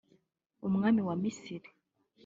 Umwami wa Misiri